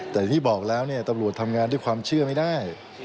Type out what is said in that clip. แต่ที่บอกแล้วตำรวจทำงานด้วยความเชื่อไม่ได้